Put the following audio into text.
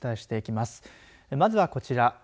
まずはこちら。